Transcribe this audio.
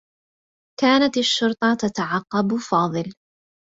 كانت الشرطة تتعقّب فاضل.